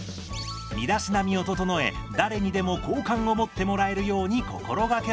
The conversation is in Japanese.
身だしなみを整え誰にでも好感を持ってもらえるように心掛けましょう。